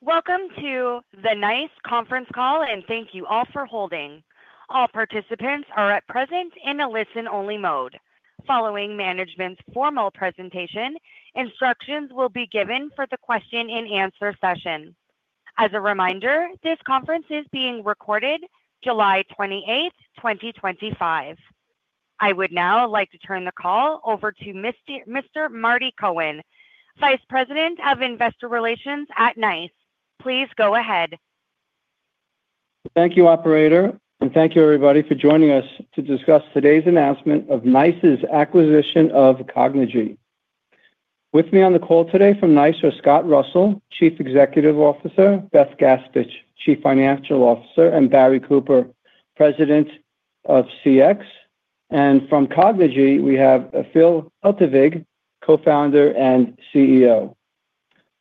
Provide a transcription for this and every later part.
Welcome to the NICE conference call and thank you all for holding. All participants are at present in a listen-only mode following management's formal presentation. Instructions will be given for the question-and-answer session. As a reminder, this conference is being recorded July 28th, 2025. I would now like to turn the call over to Mr. Marty Cohen, Vice President of Investor Relations at NICE. Please go ahead. Thank you, operator. Thank you, everybody, for joining us to discuss today's announcement of NICE's acquisition of Cognigy. With me on the call today from NICE are Scott Russell, Chief Executive Officer, Beth Gaspich, Chief Financial Officer, and Barry Cooper, President of CX. From Cognigy, we have Phil Heltewig, Co-Founder and CEO.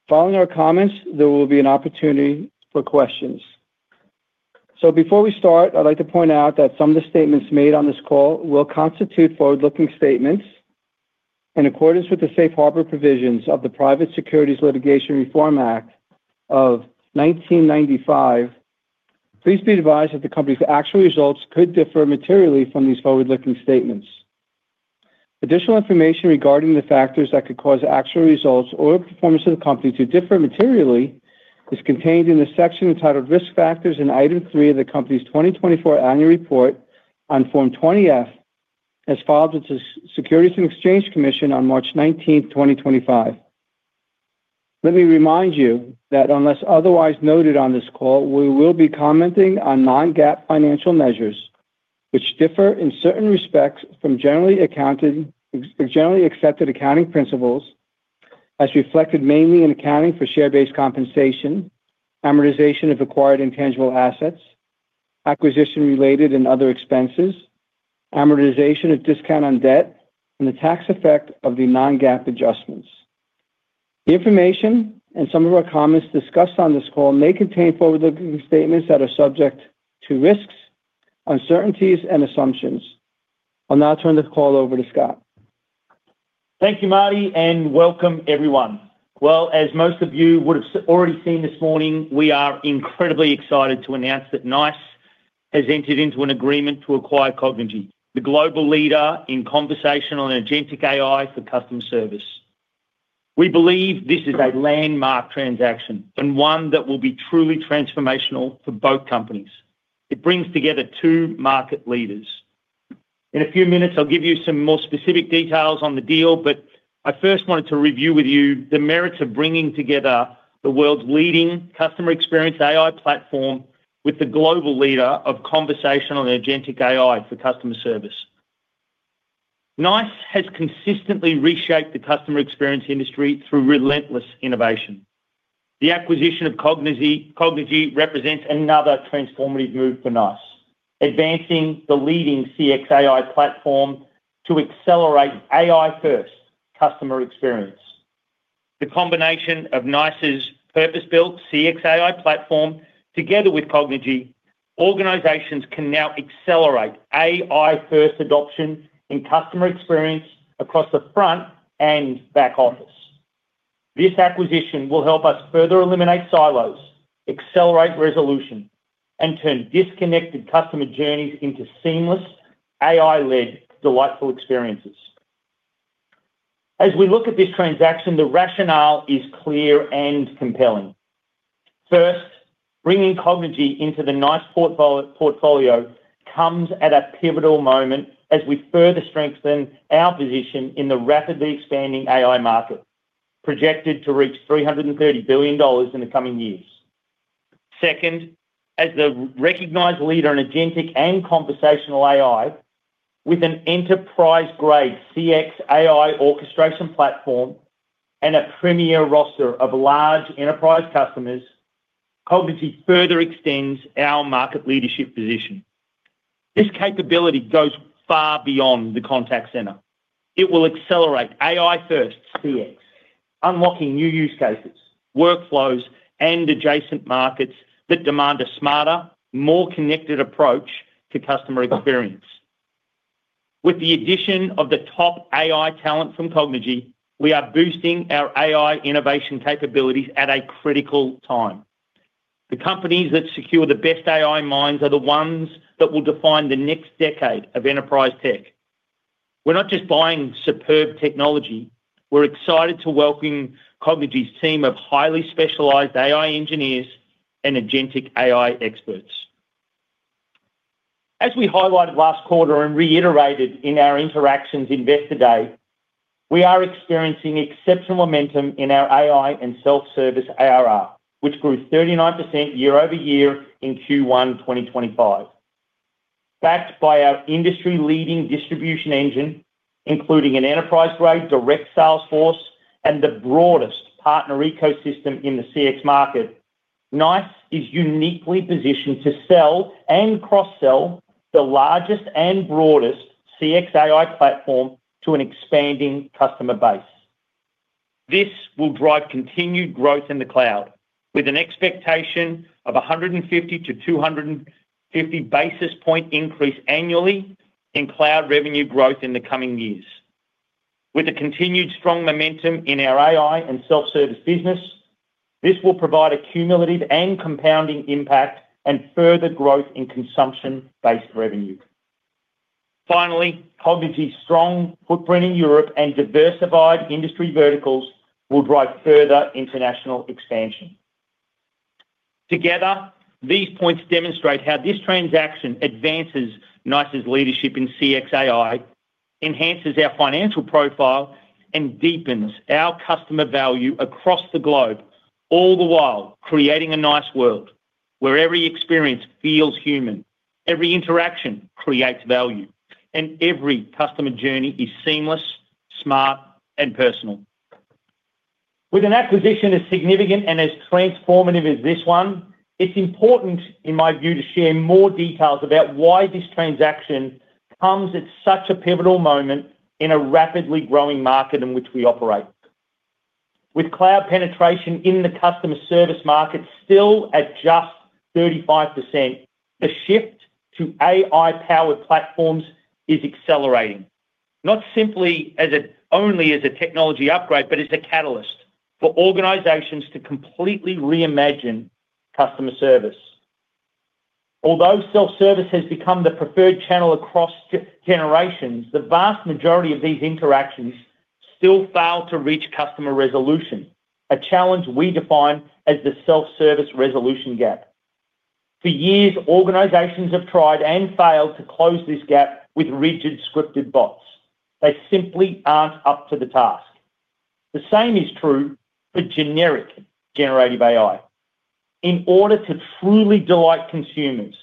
Following our comments, there will be an opportunity for questions. Before we start, I'd like to point out that some of the statements made on this call will constitute forward-looking statements in accordance with the safe harbor provisions of the Private Securities Litigation Reform Act of 1995. Please be advised that the company's actual results could differ materially from these forward-looking statements. Additional information regarding the factors that could cause actual results or performance of the company to differ materially is contained in the section entitled Risk Factors in Item 3 of the company's 2024 Annual Report on Form 20-F as filed with the Securities and Exchange Commission on March 19, 2025. Let me remind you that unless otherwise noted on this call, we will be commenting on non-GAAP financial measures, which differ in certain respects from generally accepted accounting principles as reflected mainly in accounting for share-based compensation, amortization of acquired intangible assets, acquisition-related and other expenses, amortization of discount on debt, and the tax effect of the non-GAAP adjustments. The information and some of our comments discussed on this call may contain forward-looking statements that are subject to risks, uncertainties, and assumptions. I'll now turn the call over to Scott. Thank you, Marty, and welcome, everyone. As most of you would have already seen this morning, we are incredibly excited to announce that NICE has entered into an agreement to acquire Cognigy, the global leader in conversational and agentic AI for customer service. We believe this is a landmark transaction and one that will be truly transformational for both companies. It brings together two market leaders. In a few minutes, I'll give you some more specific details on the deal. I first wanted to review with you the merits of bringing together the world's leading customer experience AI platform with the global leader of conversational and agentic AI for customer service. NICE has consistently reshaped the customer experience industry through relentless innovation. The acquisition of Cognigy represents another transformative move for NICE, advancing the leading CX AI platform to accelerate AI-first customer experience. The combination of NICE's purpose-built CX AI platform together with Cognigy, organizations can now accelerate AI-first adoption in customer experience across the front and back office. This acquisition will help us further eliminate silos, accelerate resolution, and turn disconnected customer journeys into seamless AI-led delightful experiences. As we look at this transaction, the rationale is clear and compelling. First, bringing Cognigy into the NICE portfolio comes at a pivotal moment as we further strengthen our position in the rapidly expanding AI market, projected to reach $330 billion in the coming years. Second, as the recognized leader in agentic and conversational AI with an enterprise-grade CX AI orchestration platform and a premier roster of large enterprise customers, Cognigy further extends our market leadership position. This capability goes far beyond the contact center. It will accelerate AI-first CX, unlocking new use cases, workflows, and adjacent markets that demand a smarter, more connected approach to customer experience. With the addition of the top AI talent from Cognigy, we are boosting our AI innovation capabilities at a critical time. The companies that secure the best AI minds are the ones that will define the next decade of enterprise tech. We're not just buying superb technology, we're excited to welcome Cognigy's team of highly specialized AI engineers and agentic AI experts. As we highlighted last quarter and reiterated in our interactions at Investor Day, we are experiencing exceptional momentum in our AI and self-service arrangements, which grew 39% year-over-year in Q1 2025. Backed by our industry-leading distribution engine, including an enterprise-grade direct salesforce and the broadest partner ecosystem in the CX market, NICE is uniquely positioned to sell and cross-sell the largest and broadest CX AI platform to an expanding customer base. This will drive continued growth in the cloud with an expectation of 150-250 basis point increase annually in cloud revenue growth in the coming years. With the continued strong momentum in our AI and self-service business, this will provide a cumulative and compounding impact and further growth in consumption-based revenue. Finally, Cognigy's strong footprint in Europe and diversified industry verticals will drive further international expansion. Together these points demonstrate how this transaction advances NICE's leadership in CX AI, enhances our financial profile, and deepens our customer value across the globe, all the while creating a NICE world where every experience feels human, every interaction creates value, and every customer journey is seamless, smart, and personal. With an acquisition as significant and as transformative as this one, it's important, in my view, to share more details about why this transaction comes at such a pivotal moment in a rapidly growing market in which we operate. With cloud penetration in the customer service market still at just 35%, the shift to AI-powered platforms is accelerating not simply as it only is a technology upgrade, but as a catalyst for organizations to completely reimagine customer service. Although self-service has become the preferred channel across generations, the vast majority of these interactions still fail to reach customer resolution, a challenge we define as the self-service resolution gap. For years, organizations have tried and failed to close this gap with rigid, scripted bots. They simply aren't up to the task. The same is true for generic generative AI. In order to truly delight consumers,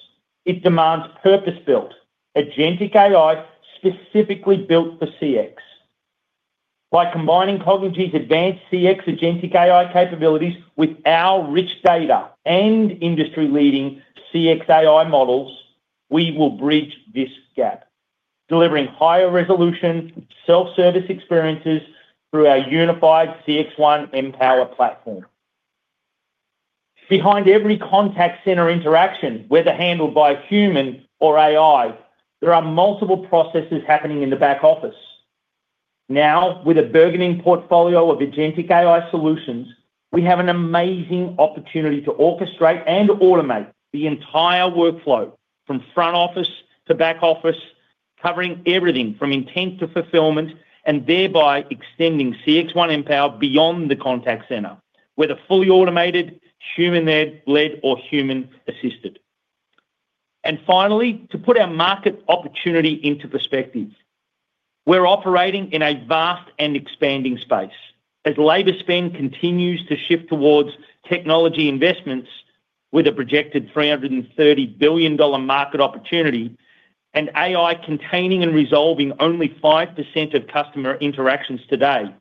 it demands purpose-built agentic AI specifically built for CX. By combining Cognigy's advanced CX agentic AI capabilities with our rich data and industry-leading CX AI models, we will bridge this gap, delivering higher resolution self-service experiences through our unified CXone Mpower platform. Behind every contact center interaction, whether handled by humans or AI, there are multiple processes happening in the back office. Now, with a burgeoning portfolio of agentic AI solutions, we have an amazing opportunity to orchestrate and automate the entire workflow from front office to back office, covering everything from intent to fulfillment and thereby extending CXone Mpower beyond the contact center, whether fully automated, human-led, or human-assisted. Finally, to put our market opportunity into perspective, we're operating in a vast and expanding space as labor spend continues to shift towards technology investments. With a projected $330 billion market opportunity and AI containing and resolving only 5% of customer interactions today,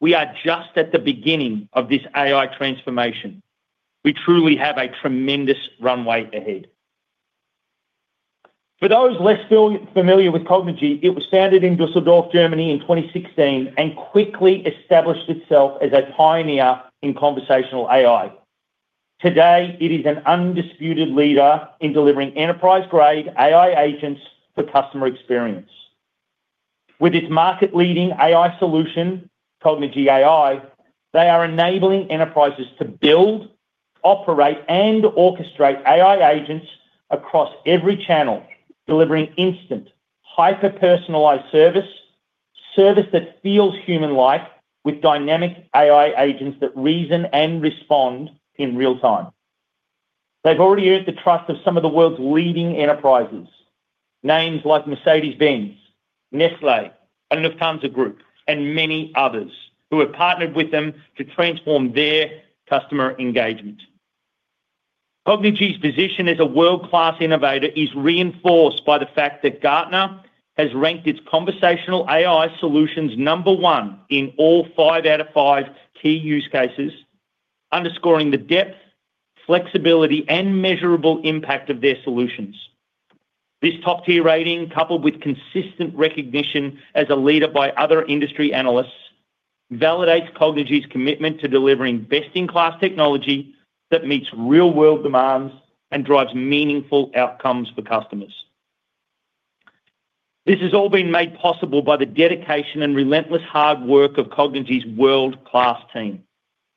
we are just at the beginning of this AI transformation. We truly have a tremendous runway ahead. For those less familiar with Cognigy, it was founded in Düsseldorf, Germany in 2016 and quickly established itself as a pioneer in conversational AI. Today it is an undisputed leader in delivering enterprise-grade AI agents for customer experience. With its market-leading AI solution, Cognigy.AI, they are enabling enterprises to build, operate, and orchestrate AI agents across every channel, delivering instant, hyper-personalized service that feels human-like with dynamic AI agents that reason and respond in real time. They've already earned the trust of some of the world's leading enterprises, names like Mercedes-Benz, Nestlé, Lufthansa Group, and many others who have partnered with them to transform their customer engagement. Cognigy's position as a world-class innovator is reinforced by the fact that Gartner has ranked its conversational AI solutions number one in all five out of five key use cases, underscoring the depth, flexibility, and measurable impact of their solutions. This top-tier rating, coupled with consistent recognition as a leader by other industry analysts, validates Cognigy's commitment to delivering best-in-class technology that meets real-world demands and drives meaningful outcomes for customers. This has all been made possible by the dedication and relentless hard work of Cognigy's world-class team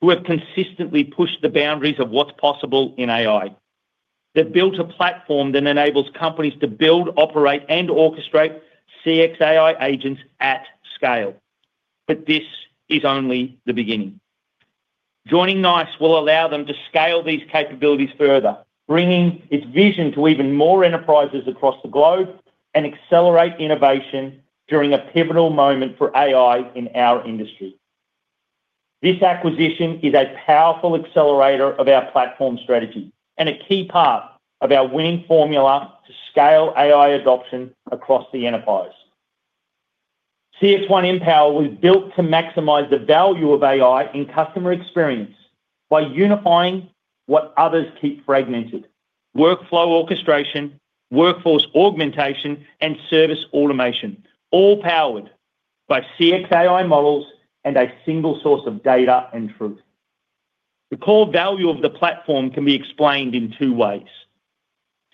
who have consistently pushed the boundaries of what's possible in AI. They built a platform that enables companies to build, operate, and orchestrate CX AI agents at scale. This is only the beginning. Joining NICE will allow them to scale these capabilities further, bringing its vision to even more enterprises across the globe and accelerate innovation during a pivotal moment for AI in our industry. This acquisition is a powerful accelerator of our platform strategy and a key part of our winning formula to scale AI adoption across the enterprise. CXone Mpower was built to maximize the value of AI in customer experience by unifying what others keep fragmented: workflow, orchestration, workforce augmentation, and service automation, all powered by CX AI models and a single source of data and truth. The core value of the platform can be explained in two ways.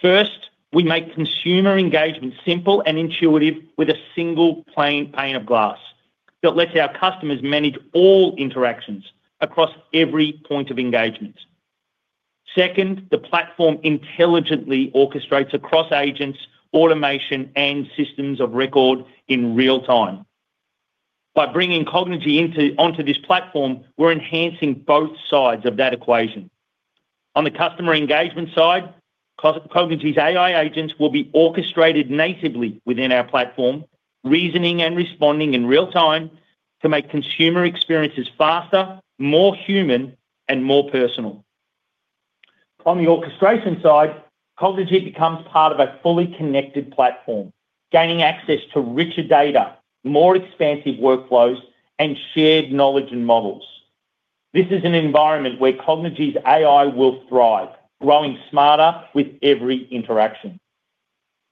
First, we make consumer engagement simple and intuitive with a single pane of glass that lets our customers manage all interactions across every point of engagement. Second, the platform intelligently orchestrates across agents, automation, and systems of record in real time. By bringing Cognigy onto this platform, we're enhancing both sides of that equation. On the customer engagement side, Cognigy's AI agents will be orchestrated natively within our platform, reasoning and responding in real time to make consumer experiences faster, more human, and more personal. On the orchestration side, Cognigy becomes part of a fully connected platform, gaining access to richer data, more expansive workflows, and shared knowledge and models. This is an environment where Cognigy's AI will thrive, growing smarter with every interaction.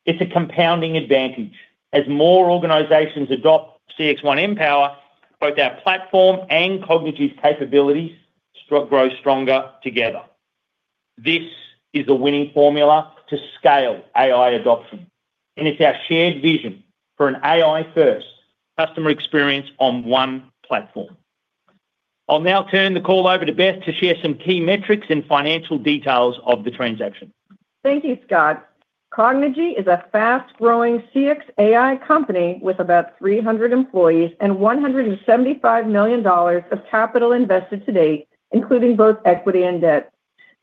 It's a compounding advantage. As more organizations adopt CXone Mpower, both our platform and Cognigy's capabilities grow stronger together. This is the winning formula to scale AI adoption, and it's our shared vision for an AI-first customer experience on one platform. I'll now turn the call over to Beth to share some key metrics and financial details of the transaction. Thank you, Scott. Cognigy is a fast-growing CX AI company with about 300 employees and $175 million of capital invested to date, including both equity and debt.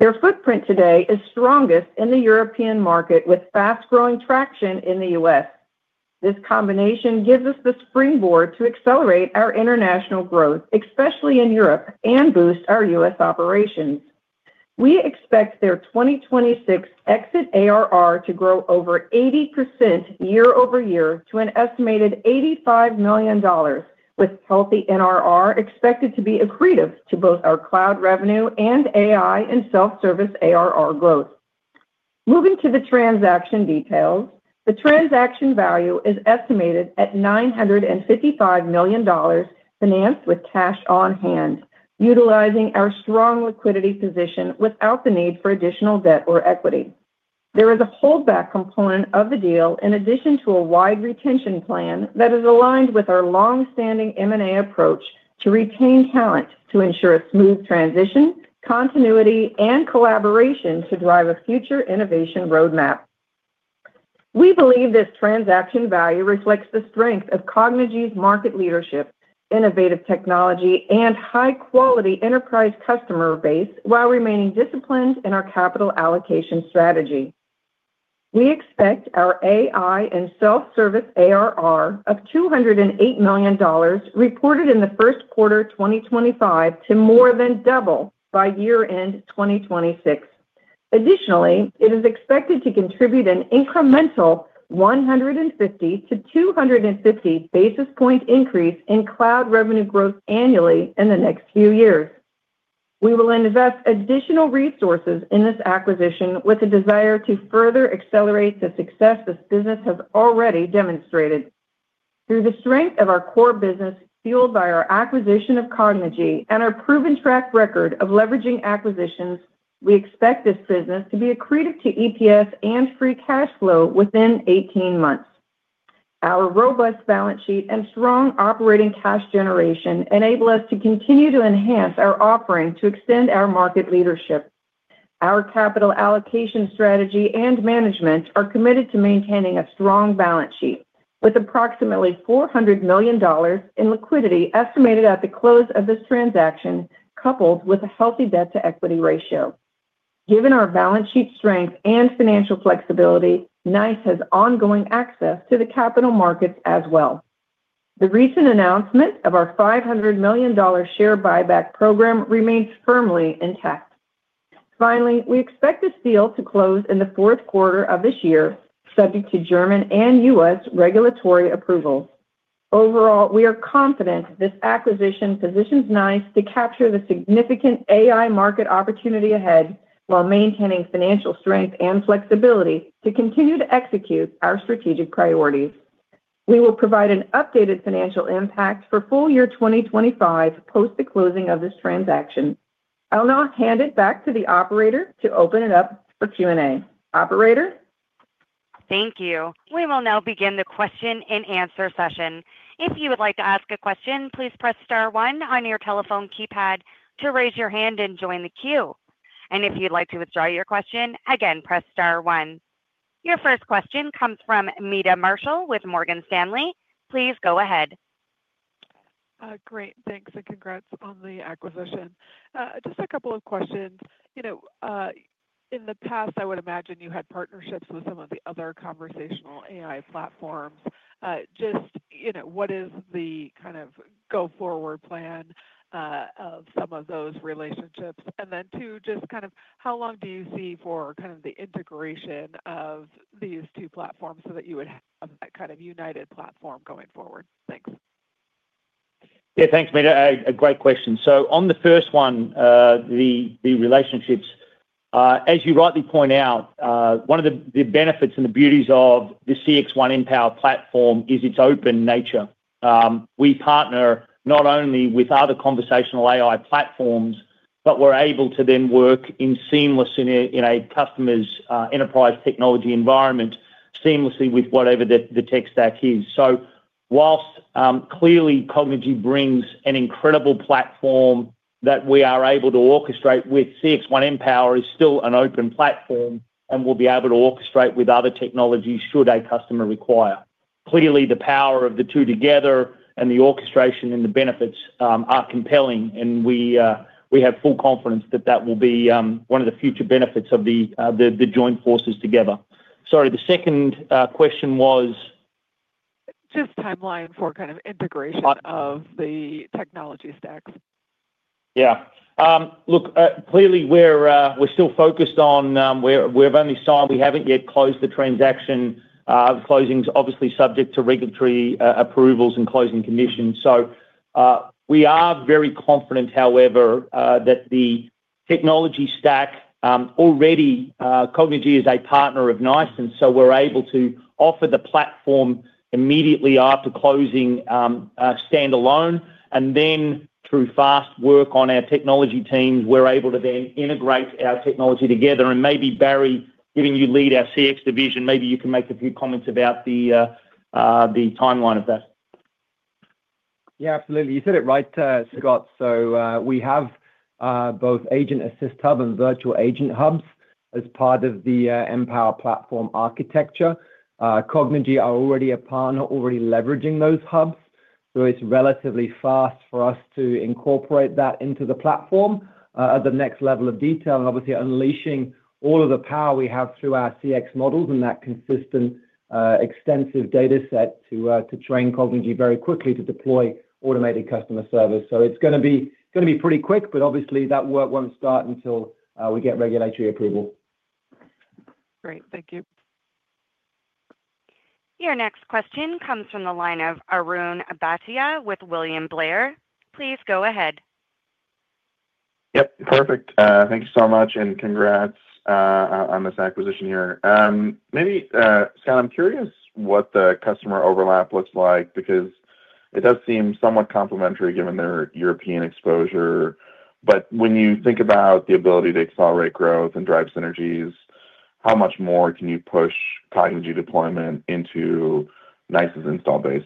Their footprint today is strongest in the European market with fast-growing traction in the U.S. This combination gives us the springboard to accelerate our international growth, especially in Europe, and boost our U.S. operations. We expect their 2026 exit ARR to grow over 80% year-over-year to an estimated $85 million, with healthy NRR expected to be accretive to both our cloud revenue and AI and self-service ARR growth. Moving to the transaction details, the transaction value is estimated at $955 million, financed with cash on hand utilizing our strong liquidity position without the need for additional debt or equity. There is a holdback component of the deal in addition to a wide retention plan that is aligned with our long-standing M&A approach to retain talent to ensure a smooth transition, continuity, and collaboration to drive a future innovation roadmap. We believe this transaction value reflects the strength of Cognigy's market leadership, innovative technology, and high-quality enterprise customer base while remaining disciplined in our capital allocation strategy. We expect our AI and self-service ARR of $208 million reported in the first quarter 2025 to more than double by year-end 2026. Additionally, it is expected to contribute an incremental 150-250 basis point increase in cloud revenue growth annually in the next few years. We will invest additional resources in this acquisition with a desire to further accelerate the success this business has already demonstrated. Through the strength of our core business fueled by our acquisition of Cognigy and our proven track record of leveraging acquisitions, we expect this business to be accretive to EPS and free cash flow within 18 months. Our robust balance sheet and strong operating cash generation enable us to continue to enhance our offering to extend our market leadership. Our capital allocation strategy and management are committed to maintaining a strong balance sheet with approximately $400 million in liquidity estimated at the close of this transaction, coupled with a healthy debt-to-equity ratio. Given our balance sheet strength and financial flexibility, NICE has ongoing access to the capital markets as well. The recent announcement of our $500 million share buyback program remains firmly intact. Finally, we expect this deal to close in the fourth quarter of this year, subject to German and U.S. regulatory approvals. Overall, we are confident this acquisition positions NICE to capture the significant AI market opportunity ahead while maintaining financial strength and flexibility to continue to execute our strategic priorities. We will provide an updated financial impact for full year 2025 post the closing of this transaction. I'll now hand it back to the operator to open it up for Q&A. Operator. Thank you. We will now begin the question-and-answer session. If you would like to ask a question, please press star one on your telephone keypad to raise your hand and join the queue. If you'd like to withdraw your question, again, press star one. Your first question comes from Meta Marshall with Morgan Stanley. Please go ahead. Great, thanks and congrats on the acquisition. Just a couple of questions. You know, in the past I would imagine you had partnerships with some of the other conversational AI platforms. Just, you know, what is the kind of go forward plan of some of those relationships and then two, just kind of how long do you see for kind of the integration of these two platforms so that you would have that kind of united platform going forward. Thanks. Yeah, thanks. Great question. On the first one, the relationships, as you rightly point out, one of the benefits and the beauties of the CXone Mpower platform is its open nature. We partner not only with other conversational AI platforms, but we're able to then work seamlessly in a customer's enterprise technology environment, seamlessly with whatever the tech stack is. Whilst clearly Cognigy brings an incredible platform that we are able to orchestrate with CXone, Mpower is still an open platform and will be able to orchestrate with other technologies should a customer require. Clearly the power of the two together and the orchestration and the benefits are compelling, and we have full confidence that that will be one of the future benefits of the joint forces together. Sorry, the second question was. Just timeline for kind of integration of the technology stacks. Yeah, look, clearly we're still focused on, we've only signed, we haven't yet closed the transaction. Closing is obviously subject to regulatory approvals and closing conditions. We are very confident, however, that the technology stack already, Cognigy is a partner of NICE, and so we're able to offer the platform immediately after closing standalone, and then through fast work on our technology teams, we're able to then integrate our technology together. Maybe Barry, given you lead our CX division, maybe you can make a few comments about the timeline of that. Yeah, absolutely. You said it right, Scott. We have both Agent Assist Hub and Virtual Agent Hubs as part of the Mpower platform architecture. Cognigy are already a partner, already leveraging those hubs, so it's relatively fast for us to incorporate that into the platform at the next level of detail and obviously unleashing all of the power we have through our CX models and that consistent, extensive data set to train Cognigy very quickly to deploy automated customer service. It's going to be pretty quick, but obviously that work won't start until we get regulatory approval. Great, thank you. Your next question comes from the line of Arun Bhatia with William Blair. Please go ahead. Yep, perfect. Thank you so much and congrats on this acquisition here. Maybe, Scott, I'm curious what the customer overlap looks like because it does seem somewhat complementary given their European exposure. When you think about the ability to accelerate growth and drive synergies, how much more can you push Cognigy deployment into NICE's install base?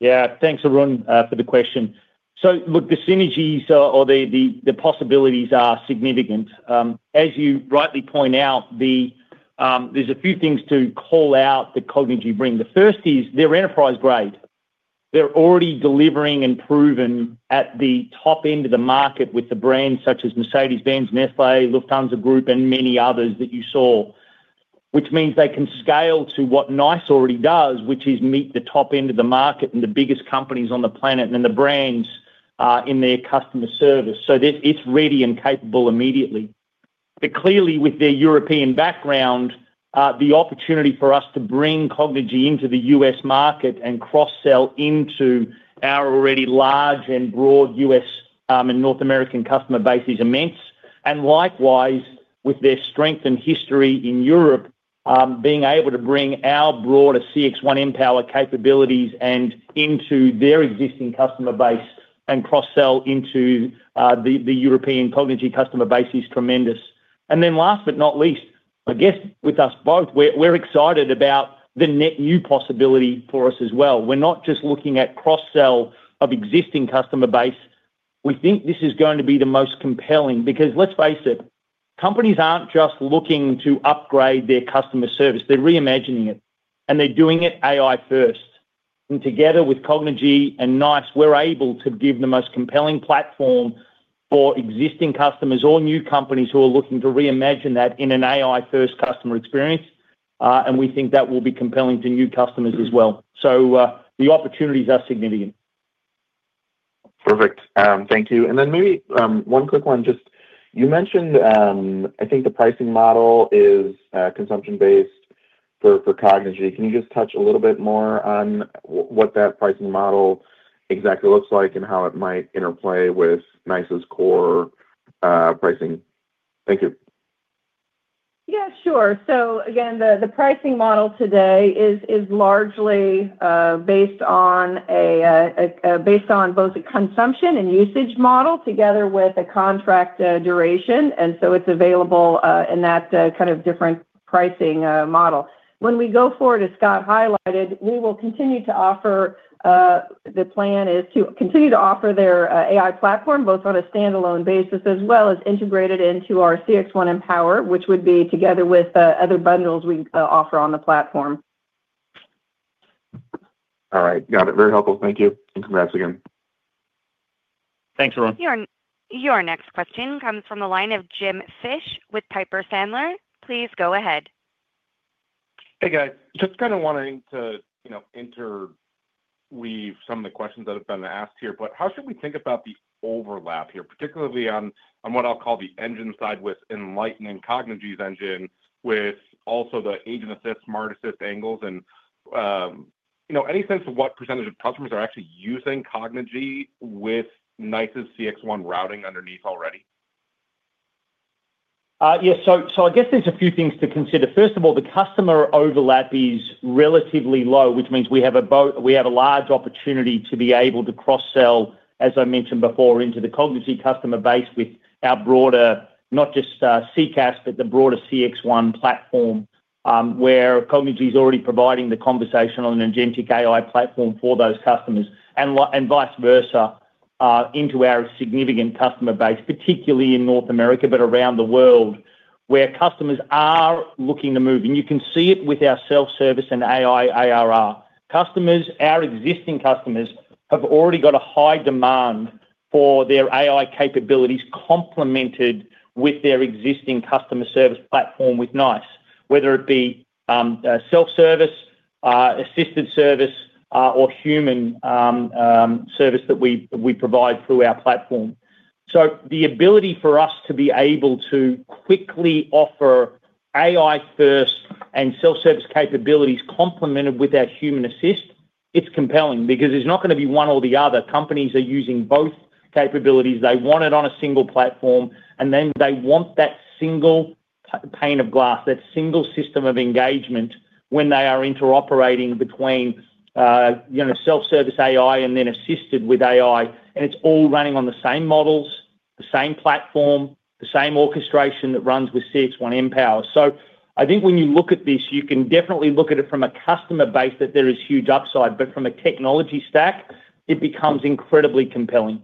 Yeah, thanks Arun, for the question. The synergies or the possibilities are significant. As you rightly point out, there's a few things to call out that Cognigy brings. The first is they're enterprise grade. They're already delivering and proven at the top end of the market with brands such as Mercedes-Benz, Nestlé, Lufthansa Group, and many others that you saw. This means they can scale to what NICE already does, which is meet the top end of the market and the biggest companies on the planet and the brands in their customer service. It's ready and capable immediately. Clearly, with their European background, the opportunity for us to bring Cognigy into the U.S. market and cross-sell into our already large and broad U.S. and North American customer base is immense. Likewise, with their strength and history in Europe, being able to bring our broader CXone Mpower capabilities into their existing customer base and cross-sell into the European Cognigy customer base is tremendous. Last but not least, with us both, we're excited about the net new possibility for us as well. We're not just looking at cross-sell of existing customer base. We think this is going to be the most compelling because let's face it, companies aren't just looking to upgrade their customer service, they're reimagining it and they're doing it AI-first. Together with Cognigy and NICE, we're able to give the most compelling platform for existing customers or new companies who are looking to reimagine that in an AI-first customer experience. We think that will be compelling to new customers as well. The opportunities are significant. Perfect, thank you. Maybe one quick one. You mentioned, I think, the pricing model is consumption based for Cognigy. Can you just touch a little bit more on what that pricing model exactly looks like and how it might interplay with NICE's core pricing? Thank you. Yeah, sure. The pricing model today is largely based on both the consumption and usage model together with a contract duration, and it's available in that kind of different pricing model. When we go forward, as Scott highlighted, we will continue to offer the plan is to continue to offer their AI platform both on a standalone basis as well as integrated into our CXone Mpower, which would be together with other bundles we offer on the platform. All right, got it. Very helpful, thank you and congrats again. Thanks, Arun. Your next question comes from the line of Jim Fish with Piper Sandler. Please go ahead. Hey guys, just kind of wanting to interweave some of the questions that have been asked here, but how should we think about the overlap here, particularly on what I'll call the engine side with Enlighten and Cognigy's engine with also the agent assist, smart assist angles, and any sense of what percentage of customers are actually using Cognigy with NICE's CXone routing underneath already? Yes. I guess there's a few things to consider. First of all, the customer overlap is relatively low, which means we have a large opportunity to be able to cross-sell, as I mentioned before, into the Cognigy customer base with our broader, not just CCaaS, but the broader CXone platform where Cognigy is already providing the conversational and agentic AI platform for those customers and vice versa into our significant customer base, particularly in North America but around the world where customers are looking to move. You can see it with our self-service and AI ARR customers. Our existing customers have already got a high demand for their AI capabilities complemented with their existing customer service platform with NICE, whether it be self-service, assisted service, or human service that we provide through our platform. The ability for us to be able to quickly offer AI-first and self-service capabilities complemented with our human assistant is compelling because it's not going to be one or the other. Companies are using both capabilities. They want it on a single platform, and then they want that single pane of glass, that single system of engagement when they are interoperating between self-service AI and then assisted with AI, and it's all running on the same models, the same platform, the same orchestration that runs with CXone Mpower. I think when you look at this, you can definitely look at it from a customer base that there is huge upside, but from a technology stack it becomes incredibly compelling.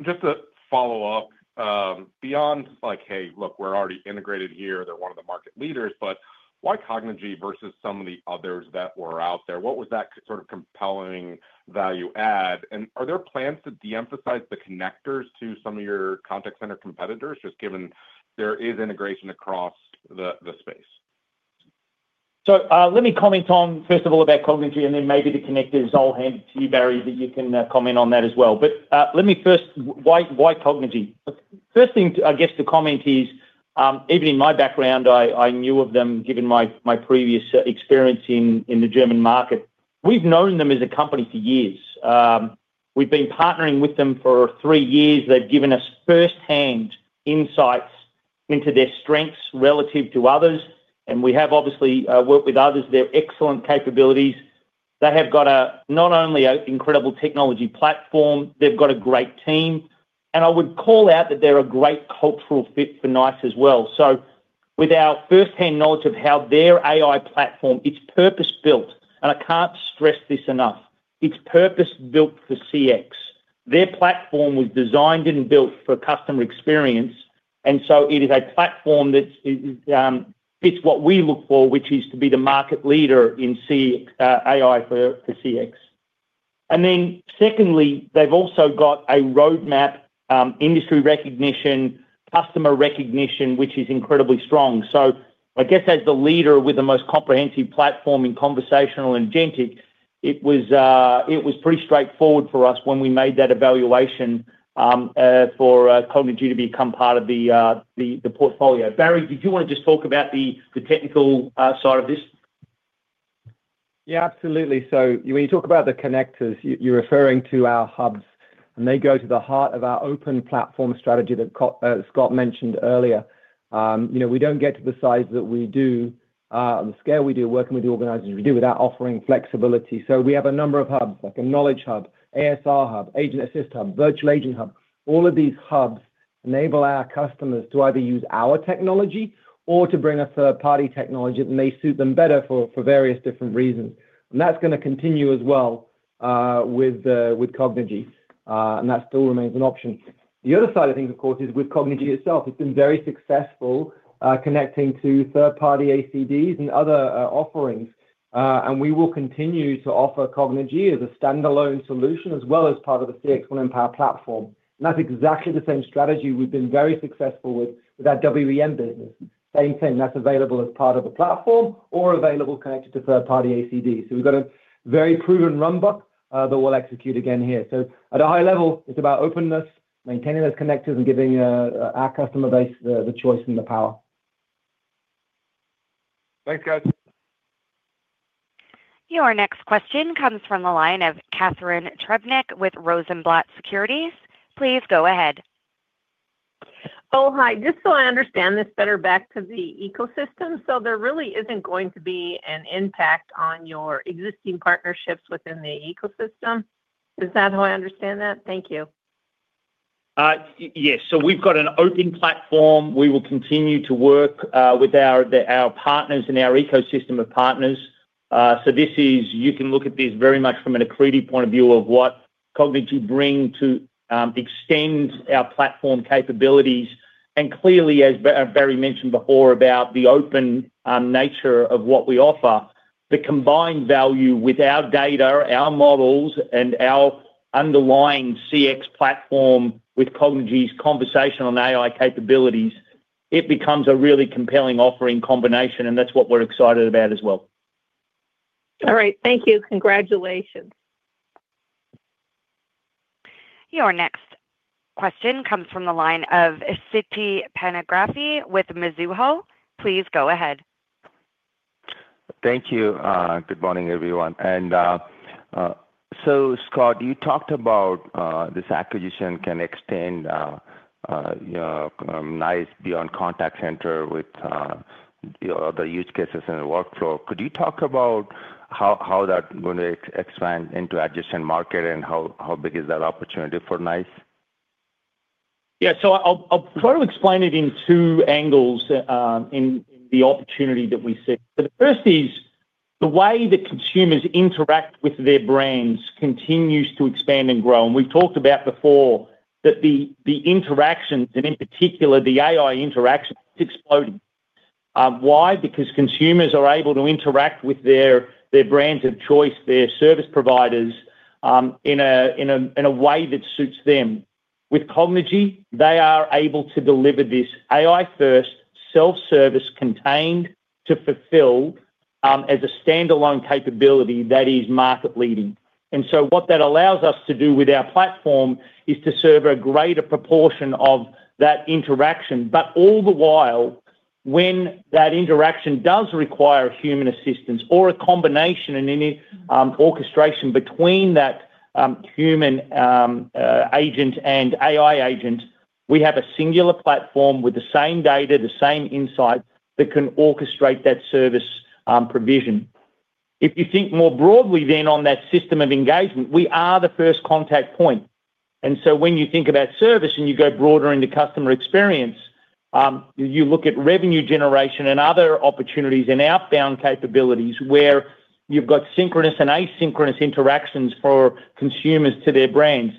Just to follow up beyond like, hey look, we're already integrated here, they're one of the market leaders. Why Cognigy versus some of the others that were out there? What was that sort of compelling value add? Are there plans to de-emphasize the connectors to some of your contact center competitors, just given there is integration across the space? Let me comment on, first of all, about Cognigy and then maybe the connectors. I'll hand it to you, Barry, that you can comment on that as well. Let me first say why Cognigy. First thing I guess to comment is even in my background I knew of them given my previous experience in the German market. We've known them as a company for years. We've been partnering with them for three years. They've given us firsthand insights into their strengths relative to others and we have obviously worked with others. Their excellent capabilities. They have got not only an incredible technology platform, they've got a great team and I would call out that they're a great cultural fit for NICE as well. With our firsthand knowledge of how their AI platform is purpose built, and I can't stress this enough, it's purpose built for CX. Their platform was designed and built for customer experience. It is a platform that fits what we look for, which is to be the market leader in AI for CX. Secondly, they've also got a roadmap, industry recognition, customer recognition, which is incredibly strong. I guess as the leader with the most comprehensive platform in conversational and agentic, it was pretty straightforward for us when we made that evaluation for Cognigy to become part of the portfolio. Barry, did you want to just talk about the technical side of this? Yeah, absolutely. When you talk about the connectors, you're referring to our hubs and they go to the heart of our open platform strategy that Scott mentioned earlier. We don't get to the size that we do, the scale we do working with the organizations we do without offering flexibility. We have a number of hubs like a Knowledge Hub, ASR Hub, Agent Assist Hub, Virtual Agent Hub. All of these hubs enable our customers to either use our technology or to bring a third-party technology that may suit them better for various different reasons. That's going to continue as well with Cognigy and that still remains an option. The other side of things of course is with Cognigy itself, it's been very successful connecting to third-party ACDs and other offerings. We will continue to offer Cognigy as a standalone solution as well as part of the CXone Mpower platform. That's exactly the same strategy we've been very successful with, with our WEM business. Same thing that's available as part of the platform or available connected to third-party ACDs. We've got a very proven runbook that we'll execute again here. At a high level it's about openness, maintaining those connectors and giving our customer base the choice and the power. Thanks, guys. Your next question comes from the line of Catherine Trebnick with Rosenblatt Securities. Please go ahead. Hi. Just so I understand this better, back to the ecosystem. There really isn't going to be an impact on your existing partnerships within the ecosystem? Is that how I understand that? Thank you. Yes. We've got an open platform, we will continue to work with our partners and our ecosystem of partners. You can look at this very much from an accretive point of view of what Cognigy bring to extend our platform capabilities. Clearly, as Barry mentioned before about the open nature of what we offer, the combined value with our data, our models, and our underlying CX platform, with Cognigy's conversational and AI capabilities, it becomes a really compelling offering combination and that's what we're excited about as well. All right, thank you. Congratulations. Your next question comes from the line of Siti Panigrahi with Mizuho. Please go ahead. Thank you. Good morning everyone. Scott, you talked about this acquisition can extend NICE beyond contact center with the use cases in the workflow. Could you talk about how that going to expand into adjacent market and how big is that opportunity for NICE? Yeah. I'll try to explain it in two angles in the opportunity that we see. The first is the way that consumers interact with their brands continues to expand and grow. We've talked about before that the interactions and in particular the AI interaction exploding. Why? Because consumers are able to interact with their brands of choice, their service providers in a way that suits them. With Cognigy they are able to deliver this AI-first self-service contained to fulfill as a standalone capability that is market leading. What that allows us to do with our platform is to serve a greater proportion of that interaction. All the while, when that interaction does require human assistance or a combination in any orchestration between that human agent and AI agent, we have a singular platform with the same data, the same insight that can orchestrate that service provision. If you think more broadly then on that system of engagement, we are the first contact point. When you think about service and you go broader into customer experience, you look at revenue generation and other opportunities and outbound capabilities where you've got synchronous and asynchronous interactions for consumers to their brands,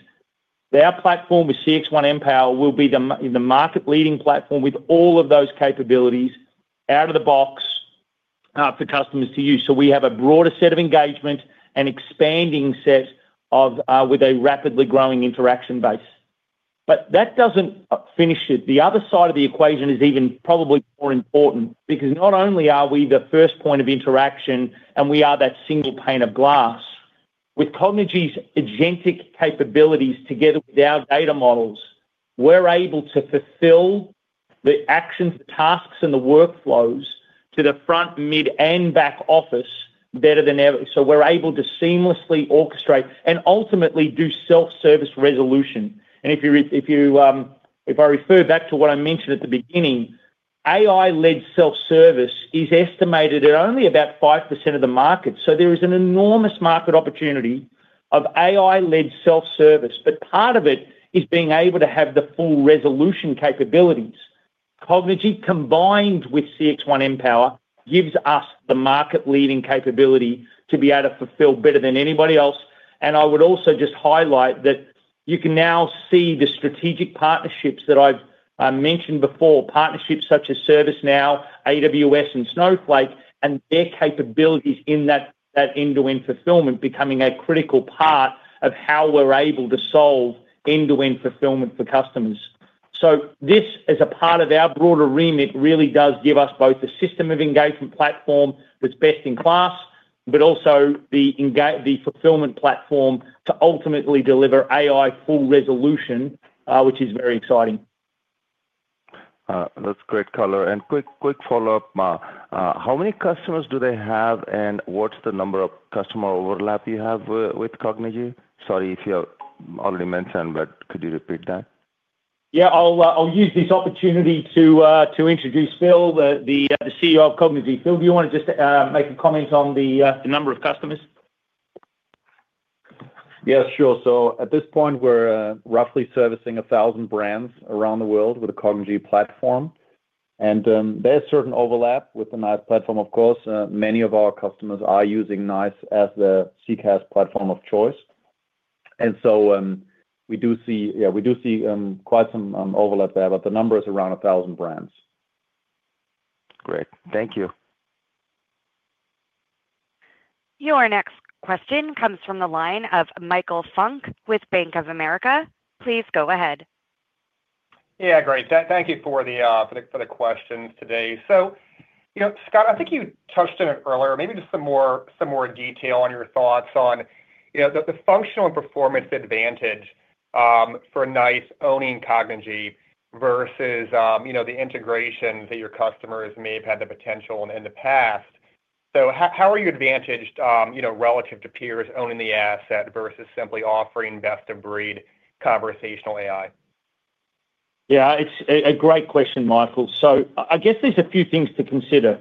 their platform. With CXone Mpower will be the market leading platform with all of those capabilities out of the box for customers to use. We have a broader set of engagement and expanding set with a rapidly growing interaction base. That doesn't finish it. The other side of the equation is even probably more important because not only are we the first point of interaction and we are that single pane of glass with Cognigy's agentic capabilities. Together with our data models, we're able to fulfill the actions, tasks and the workflows to the front, mid and back office better than ever. We're able to seamlessly orchestrate and ultimately do self-service resolution. If I refer back to what I mentioned at the beginning, AI-led self-service is estimated at only about 5% of the market. There is an enormous market opportunity of AI-led self-service. Part of it is being able to have the full resolution capabilities. Cognigy combined with CXone Mpower gives us the market-leading capability to be able to fulfill better than anybody else. I would also just highlight that you can now see the strategic partnerships that I've mentioned before, partnerships such as ServiceNow, Amazon Web Services, and Snowflake, and their capabilities in that end-to-end fulfillment becoming a critical part of how we're able to solve end-to-end fulfillment for customers. This as a part of our broader remit really does give us both the system of engagement platform that's best in class, but also the fulfillment platform to ultimately deliver AI full resolution, which is very exciting. That's great color. Quick follow up. How many customers do they have and what's the number of customer overlap you have with Cognigy? Sorry if you already mentioned, but could you repeat that? Yeah. I'll use this opportunity to introduce Phil, the CEO of Cognigy. Phil, do you want to just make a comment on the number of customers? Yes, sure. At this point we're roughly servicing 1,000 brands around the world with the Cognigy platform. There's certain overlap with the NICE platform. Of course, many of our customers are using NICE as the CCaaS platform of choice. We do see quite some overlap there, but the number is around 1,000 brands. Great, thank you. Your next question comes from the line of Michael Funk with Bank of America. Please go ahead. Yeah, great. Thank you for the questions today. Scott, I think you touched on it earlier, maybe just some more detail on your thoughts on the functional and performance advantage for NICE owning Cognigy versus the integration that your customers may have had the potential in the past. How are you advantaged relative to peers owning the asset versus simply offering best of breed in conversational AI? Yeah, it's a great question, Michael. I guess there's a few things to consider.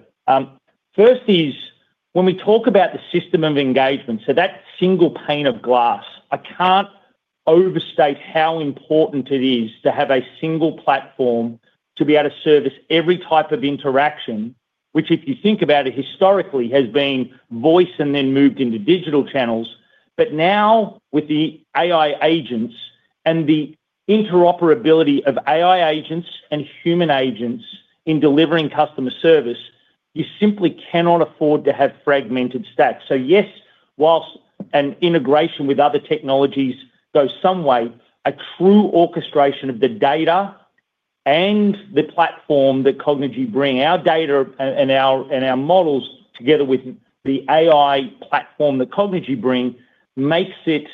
First is when we talk about the system of engagement. That single pane of glass, I can't overstate how important it is to have a single platform to be able to service every type of interaction, which if you think about it historically has been voice and then moved into digital channels. Now with the AI agents and the interoperability of AI agents and human agents in delivering customer service, you simply cannot afford to have fragmented stacks. Yes, whilst an integration with other technologies goes some way, a true orchestration of the data and the platform that Cognigy brings, our data and our models together with the AI platform that Cognigy brings, makes it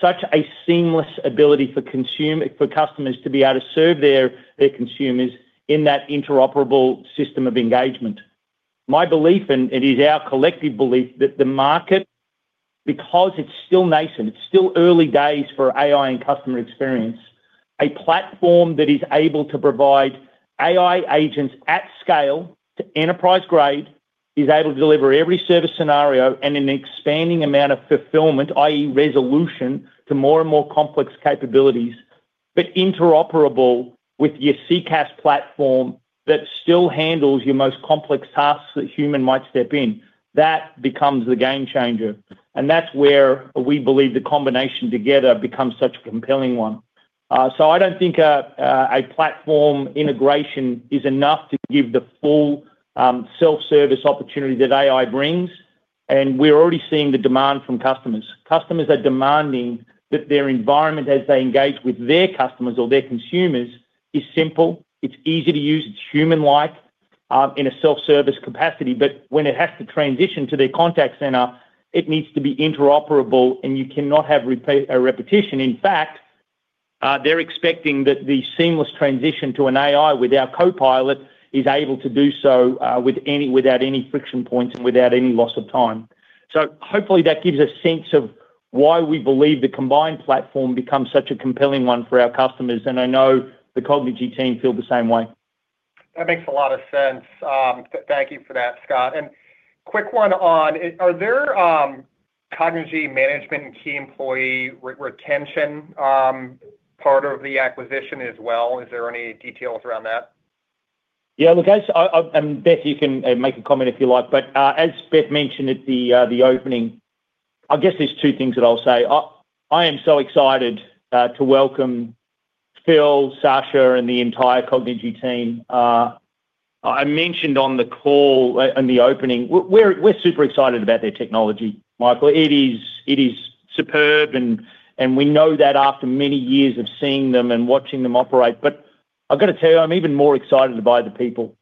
such a seamless ability for customers to be able to serve their consumers in that interoperable system of engagement. My belief, and it is our collective belief, is that the market, because it's still nascent, it's still early days for AI and customer experience. A platform that is able to provide AI agents at scale to enterprise grade is able to deliver every service scenario and an expanding amount of fulfillment that is resolution to more and more complex capabilities. Interoperable with your CCaaS platform that still handles your most complex tasks, that human might step in, that becomes the game changer. That's where we believe the combination together becomes such a compelling one. I don't think a platform integration is enough to give the full self-service opportunity that AI brings. We're already seeing the demand from customers. Customers are demanding that their environment as they engage with their customers or their consumers is simple, it's easy to use, it's human-like in a self-service capacity. When it has to transition to their contact center, it needs to be interoperable and you cannot have repetition. In fact, they're expecting that the seamless transition to an AI with our Copilot is able to do so without any friction points and without any loss of time. Hopefully that gives a sense of why we believe the combined platform becomes such a compelling one for our customers. I know the Cognigy team feel the same way. That makes a lot of sense. Thank you for that, Scott, and quick one on are there management and key employee retention part of the acquisition as well? Is there any details around that? Yeah, look, as Beth, you can make a comment if you like, but as Beth mentioned at the opening, I guess there's two things that I'll say. I am so excited to welcome Phil, Sasha, and the entire Cognigy team I mentioned on the call in the opening. We're super excited about their technology, Michael. It is superb and we know that after many years of seeing them and watching them operate. I've got to tell you, I'm even more excited by the people.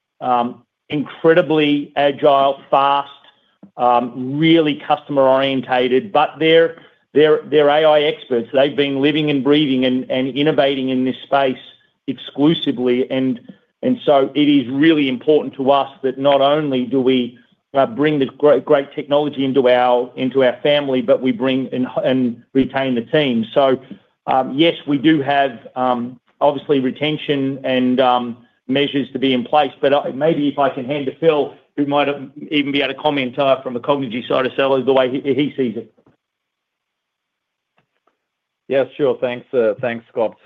Incredibly agile, fast, really customer orientated, but they're AI experts. They've been living and breathing and innovating in this space exclusively. It is really important to us that not only do we bring the great technology into our family, but we bring and retain the team. Yes, we do have obviously retention and measures to be in place, but maybe if I can hand to Phil, who might even be able to comment from a Cognigy side of seller the way he sees it. Yes, sure. Thanks, Scott.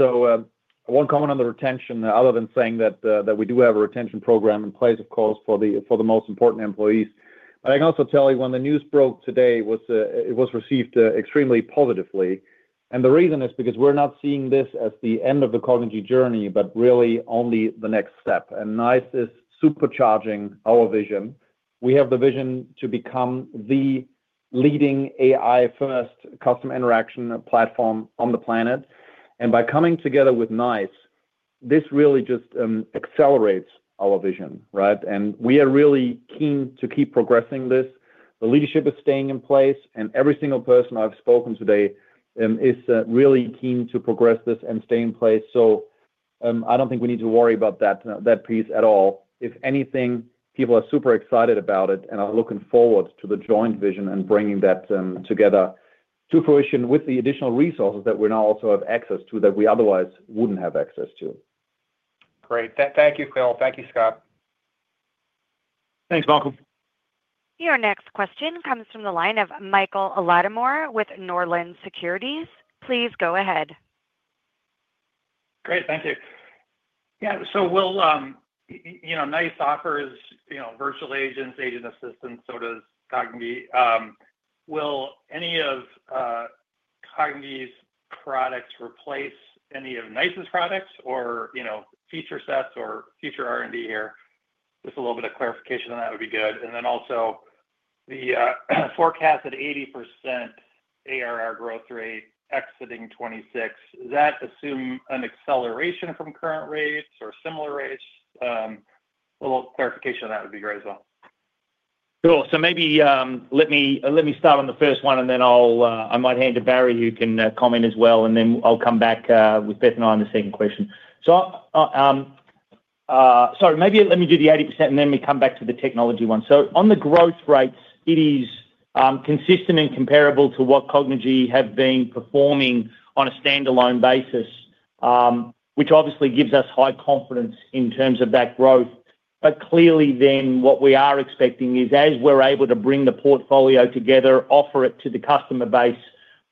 One comment on the retention, other than saying that we do have a retention program in place, of course for the most important employees, but I can also tell you, when the news broke today, it was received extremely positively. The reason is because we're not seeing this as the end of the Cognigy journey, but really only the next step. NICE is supercharging our vision. We have the vision to become the leading AI-first customer interaction platform on the planet. By coming together with NICE, this really just accelerates our vision. We are really keen to keep progressing this. The leadership is staying in place and every single person I've spoken to today is really keen to progress this and stay in place. I don't think we need to worry about that, that piece at all. If anything, people are super excited about it and are looking forward to the joint vision and bringing that together to fruition with the additional resources that we now also have access to that we otherwise wouldn't have access to. Great. Thank you, Phil. Thank you, Scott. Thank you, Michael. Your next question comes from the line of Michael Latimore with Northland Securities. Please go ahead. Great, thank you. Yeah, so will, you know, NICE offers, you know, virtual agents, agent assistants. So does Cognigy. Will any of the Cognigy products replace any of NICE's products or, you know, feature sets or future R&D here? Just a little bit of clarification on that would be good. Also, the forecasted 80% ARR growth rate exiting 2026, does that assume an acceleration from current rates or similar rates? A little clarification, that would be great as well. Maybe let me start on the first one and then I might hand to Barry, who can comment as well. I'll come back with Beth and I on the second question. Sorry, maybe let me do the 80% and then we come back to the technology one. On the growth rates, it is consistent and comparable to what Cognigy have been performing on a standalone basis, which obviously gives us high confidence in terms of that growth. Clearly, what we are expecting is as we're able to bring the portfolio together and offer it to the customer base,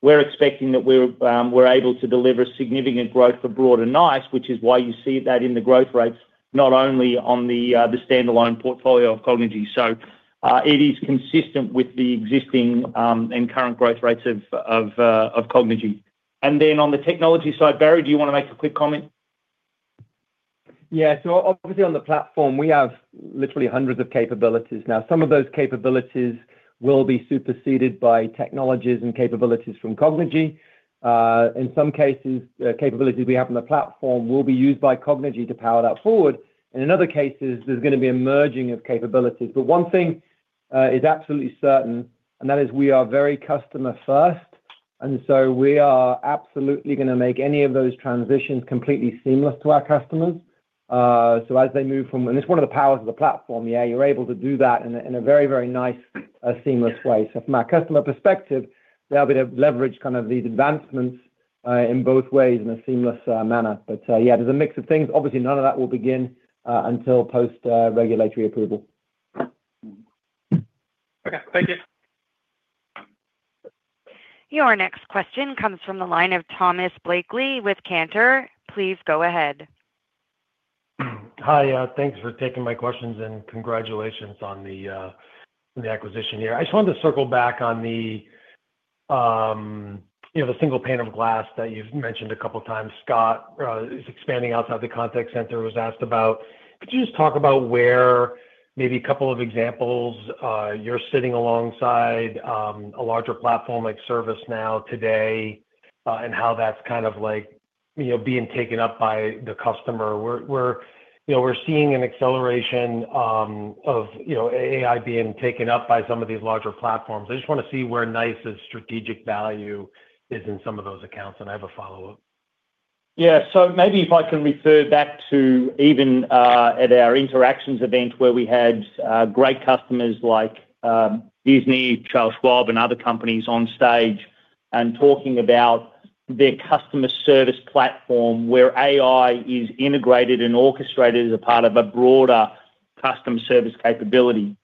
we're expecting that we're able to deliver significant growth for both Cognigy and NICE, which is why you see that in the growth rates, not only on the standalone portfolio of Cognigy. It is consistent with the existing and current growth rates of Cognigy. On the technology side, Barry, do you want to make a quick comment? Yeah. Obviously, on the platform, we have literally hundreds of capabilities. Some of those capabilities will be superseded by technologies and capabilities from Cognigy. In some cases, the capabilities we have in the platform will be used by Cognigy to power that forward. In other cases, there's going to be a merging of capabilities. One thing is absolutely certain, and that is we are very customer first. We are absolutely going to make any of those transitions completely seamless to our customers. As they move from, and it's one of the powers of the platform, you're able to do that in a very, very nice, seamless way. From our customer perspective, they'll be able to leverage these advancements in both ways in a seamless manner. There's a mix of things. Obviously, none of that will begin until post regulatory approval. Okay, thank you. Your next question comes from the line of Thomas Blakey with Cantor. Please go ahead. Hi. Thanks for taking my questions and congratulations on the acquisition here. I just wanted to circle back on the single pane of glass that you've mentioned a couple times. Scott, expanding outside the contact center was asked about. Could you just talk about where maybe a couple of examples you're sitting alongside a larger platform like ServiceNow today and how that's kind of like being taken up by the customer? We're seeing an acceleration of AI being taken up by some of these larger platforms. I just want to see where NICE's strategic value is in some of those accounts and I have a follow up. Maybe if I can refer back to even at our Interactions event where we had great customers like Disney, Charles Schwab, and other companies on stage and talking about their customer service platform where AI is integrated and orchestrated as a part of a broader customer service capability.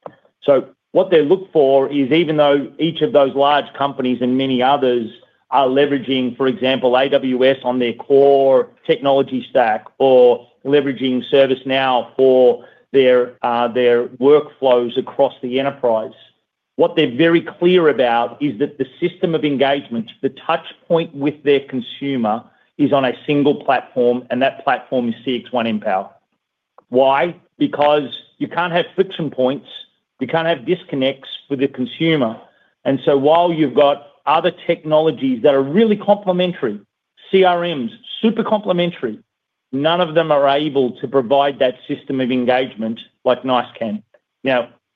What they look for is even though each of those large companies and many others are leveraging, for example, AWS on their core technology stack or leveraging ServiceNow for their workflows across the enterprise, what they're very clear about is that the system of engagement, the touch point with their consumer, is on a single platform and that platform is CXone Mpower. Why? Because you can't have friction points, you can't have disconnects with the consumer. While you've got other technologies that are really complementary, CRMs, super complementary, none of them are able to provide that system of engagement like NICE can.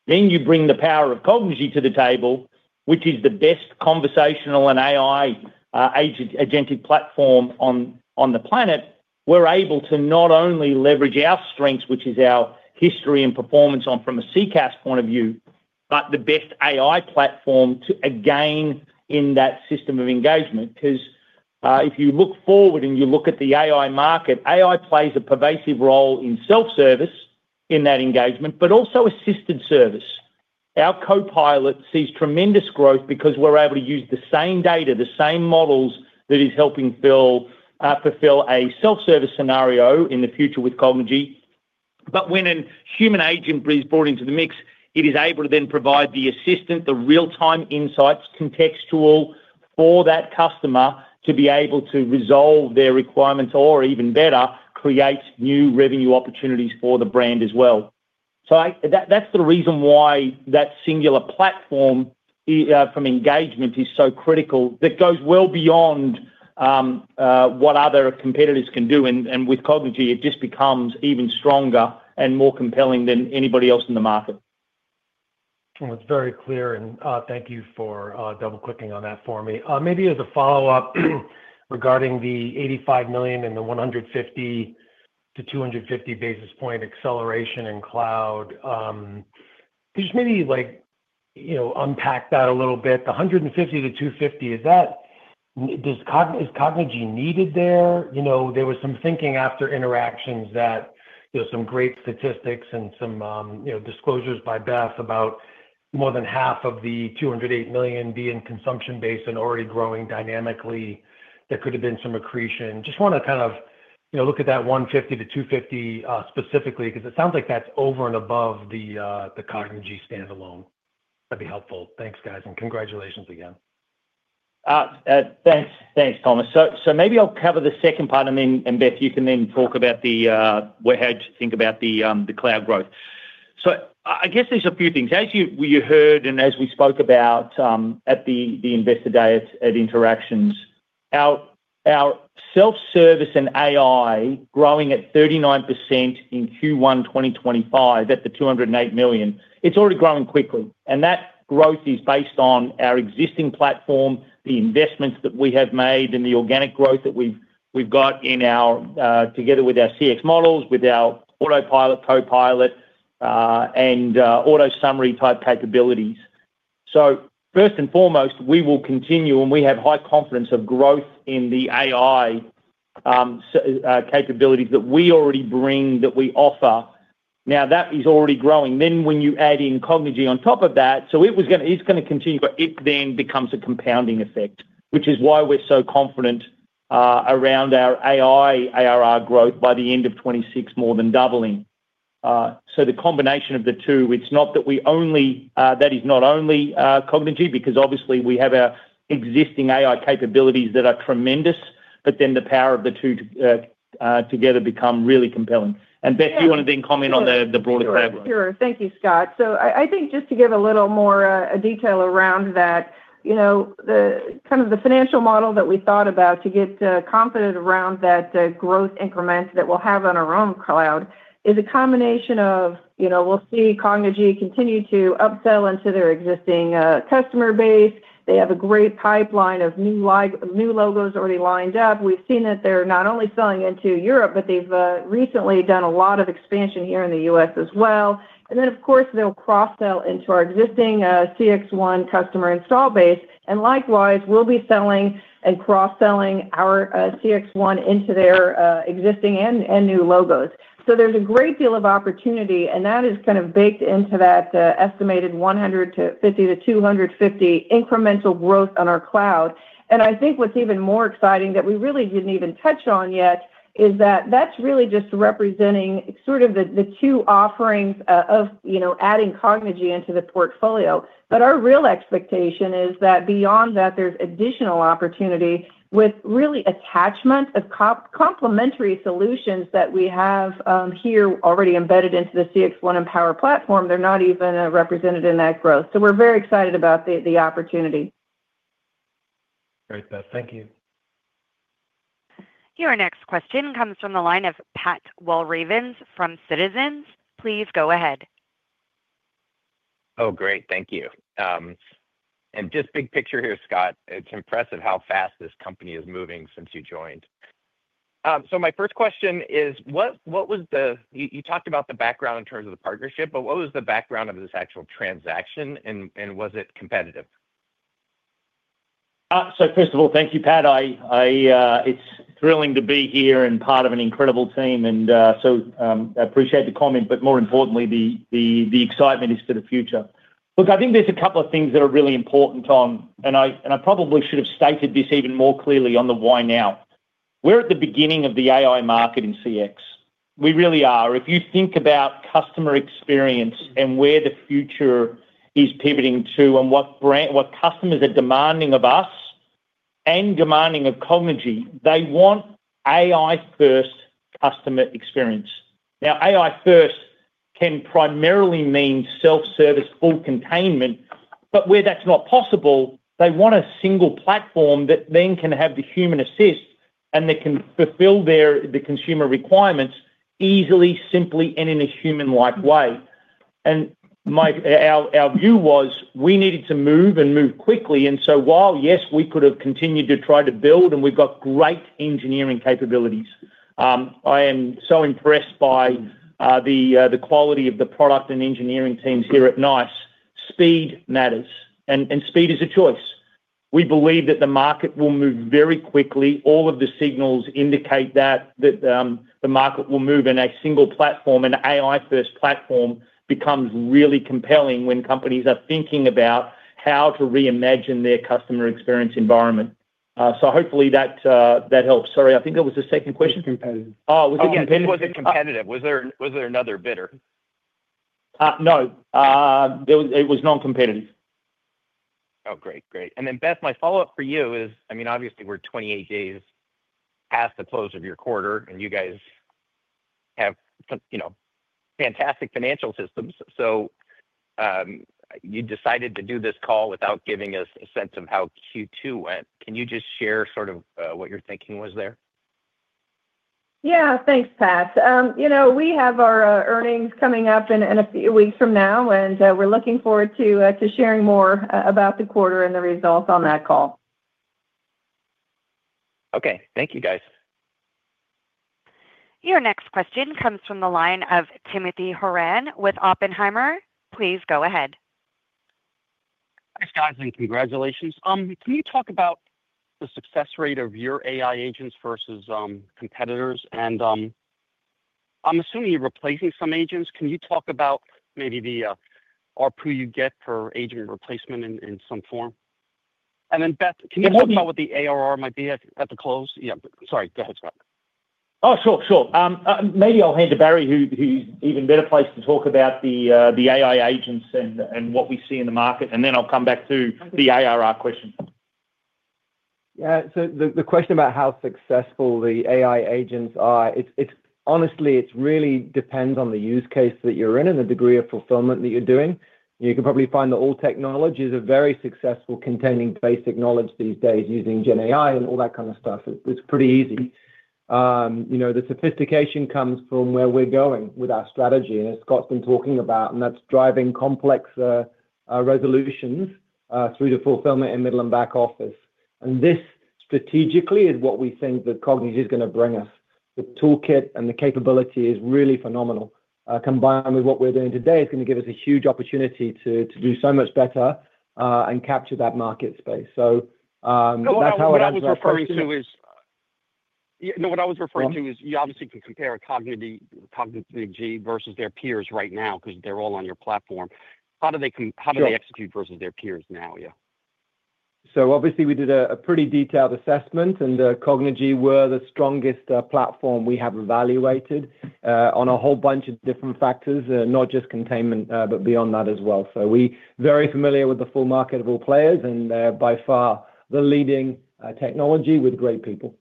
You bring the power of Cognigy to the table, which is the best conversational and agentic AI platform on the planet. We're able to not only leverage our strengths, which is our history and performance from a CCaaS point of view, but the best AI platform to gain in that system of engagement. If you look forward and you look at the AI market, AI plays a pervasive role in self-service in that engagement, but also assisted service. Our Copilot sees tremendous growth because we're able to use the same data, the same models that is helping fulfill a self-service scenario in the future with Cognigy. When a human agent is brought into the mix, it is able to then provide the assistant the real-time insights contextual for that customer to be able to resolve their requirements or even better create new revenue opportunities for the brand as well. That's the reason why that singular platform from engagement is so critical that goes well beyond what other competitors can do. With Cognigy it just becomes even stronger and more compelling than anybody else in the market. It's very clear and thank you for double clicking on that for me. Maybe as a follow up regarding the $85 million and the 150-250 basis point acceleration in cloud, just maybe like you know, unpack that a little bit. The 150-250, is Cognigy needed there? There was some thinking after Interactions that, you know, some great statistics and some disclosures by Beth about more than half of the $208 million BE in consumption base and already growing dynamically. There could have been some accretion. Just want to kind of, you know, look at that 150-250 specifically because it sounds like that's over and above the Cognigy standalone. That'd be helpful. Thanks guys and congratulations again. Thanks. Thanks Thomas. Maybe I'll cover the second part and then Beth, you can then talk about how to think about the cloud growth. I guess there's a few things as you heard and as we spoke about at the Investor Day at Interactions, our self-service and AI growing at 39% in Q1 2025 at the $208 million, it's already growing quickly and that growth is based on our existing platform, the investments that we have made and the organic growth that we've got together with our CX models, with our autopilot, Copilot and auto summary type capabilities. First and foremost, we will continue and we have high confidence of growth in the AI capabilities that we already bring, that we offer now, that is already growing. When you add in Cognigy on top of that, it's going to continue but it then becomes a compounding effect which is why we're so confident around our AI ARR growth by the end of 2026 more than doubling. The combination of the two, it's not that we only, that is not only Cognigy because obviously we have our existing AI capabilities that are tremendous but then the power of the two together become really compelling. Beth, do you want to then comment on the broader fragment? Sure. Thank you, Scott. I think just to give a little more detail around that, the kind of the financial model that we thought about to get confident around that growth increment that we'll have on our own cloud is a combination of, you know, we'll see Cognigy continue to upsell into their existing customer base. They have a great pipeline of new logos already lined up. We've seen that they're not only selling into Europe, but they've recently done a lot of expansion here in the U.S. as well. Of course, they'll cross sell into our existing CXone customer install base and likewise we'll be selling and cross selling our CXone into their existing and new logos. There's a great deal of opportunity and that is kind of baked into that estimated $150 million-$250 million incremental growth on our cloud. I think what's even more exciting that we really didn't even touch on yet is that that's really just representing sort of the two offerings of adding Cognigy into the platform portfolio. Our real expectation is that beyond that there's additional opportunity with really attachment of complementary solutions that we have here already embedded into the CXone Mpower platform. They're not even represented in that growth. We're very excited about the opportunity. Great, Beth, thank you. Your next question comes from the line of Pat Walravens from Citizens. Please go ahead. Oh, great, thank you. Just big picture here, Scott. It's impressive how fast this company is moving since you joined. My first question is what was the, you talked about the background in terms of the partnership, but what was the background of this actual transaction and was it competitive? First of all, thank you, Pat. It's thrilling to be here and part of an incredible team and I appreciate the comment. More importantly, the excitement is for the future. I think there's a couple of things that are really important and I probably should have stated this even more clearly on the why now. We're at the beginning of the AI market in CX. We really are. If you think about customer experience and where the future is pivoting to and what customers are demanding of us and demanding a cognitive, they want AI-first customer experience. Now, AI-first can primarily mean self-service, full containment. Where that's not possible, they want a single platform that then can have the human assist and they can fulfill the consumer requirements easily, simply, and in a human-like way. Our view was we needed to move and move quickly. While, yes, we could have continued to try to build and we've got great engineering capabilities, I am so impressed by the quality of the product and engineering teams here at NICE. Speed matters and speed is a choice. We believe that the market will move very quickly. All of the signals indicate that the market will move in a single platform. An AI-first platform becomes really compelling when companies are thinking about how to reimagine their customer experience environment. Hopefully that helps. Sorry, I think that was the second question. Was it competitive? Was there another bidder? No, it was non-competitive. Oh great, great. Then Beth, my follow up for you is, I mean obviously we're 28 days past the close of your quarter and you guys have fantastic financial systems. You decided to do this call without giving us a sense of how Q2 went. Can you just share sort of what your thinking was there? Yeah, thanks, Pat. We have our earnings coming up in a few weeks from now, and we're looking forward to sharing more about the quarter and the results on that call. Okay, thank you guys. Your next question comes from the line of Timothy Horan with Oppenheimer. Please go ahead. Thanks guys and congratulations. Can you talk about the success rate of your AI agents versus competitors? I'm assuming you're replacing some agents. Can you talk about maybe the ARPU you get for agent replacement in some form? Beth, can you talk about what the ARR might be at the close? Yeah, sorry, go ahead, Scott. Oh, sure, sure. Maybe I'll hand to Barry who's even better placed to talk about the AI agents and what we see in the market and then I'll come back the ARR question. Yeah, so the question about how successful the AI agents are. Honestly, it really depends on the use case that you're in and the degree of fulfillment that you're doing. You can probably find that all technologies are very successful containing basic knowledge. These days, using GenAI and all that kind of stuff, it's pretty easy. The sophistication comes from where we're going with our strategy, as Scott's been talking about, and that's driving complex resolutions through the fulfillment in middle and back office. This strategically is what we think that Cognigy is going to bring us. The toolkit and the capability is really phenomenal. Combined with what we're doing today, it's going to give us a huge opportunity to do so much better and capture that market space. What I was referring to is, you obviously can compare Cognigy versus their peers right now because they're all on your platform. How do they execute versus their peers now? Yeah, so obviously we did a pretty detailed assessment and Cognigy were the strongest platform we have evaluated on a whole bunch of different factors, not just containment but beyond that as well. We are very familiar with the full market of all players and by far the leading technology with great people.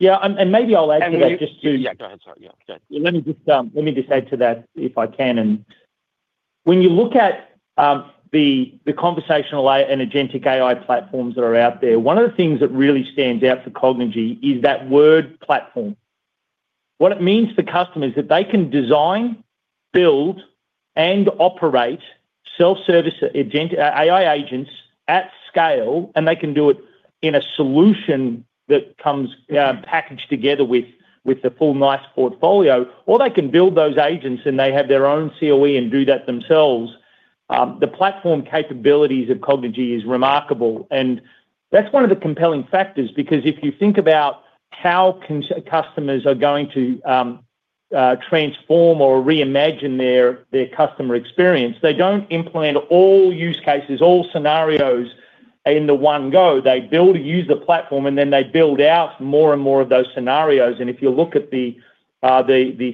Yeah, and maybe I'll add to that just to. Yeah, go ahead. Sorry. Let me just add to that if I can. When you look at the conversational and agentic AI platforms that are out there, one of the things that really stands out for Cognigy is that word platform, what it means for customers that they can design, build, and operate self-service AI agents at scale and they can do it in a solution that comes packaged together with the full NICE portfolio or they can build those agents and they have their own COE and do that themselves. The platform capabilities of Cognigy is remarkable, and that's one of the compelling factors because if you think about how customers are going to transform or reimagine their customer experience, they don't implement all use cases, all scenarios in one go. They build and use the platform, and then they build out more and more of those scenarios. If you look at the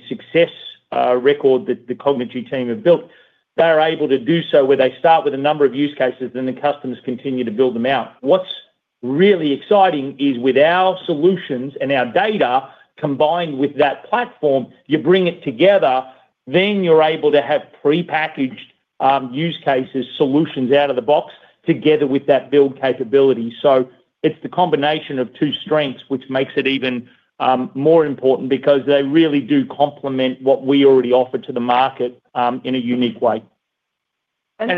success record that the Cognigy team have built, they're able to do so where they start with a number of use cases and the customers continue to build them out. What's really exciting is with our solutions and our data combined with that platform, you bring it together, then you're able to have prepackaged use cases, solutions out of the box together with that build capability. It's the combination of two strengths which makes it even more important because they really do complement what we already offer to the market in a unique way. Beth,